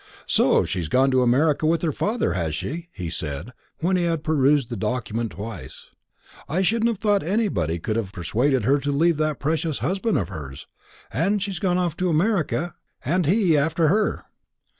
"So she's gone to America with her father, has she?" he said, when he had perused the document twice. "I shouldn't have thought anybody could have persuaded her to leave that precious husband of hers. And she's gone off to America, and he after her!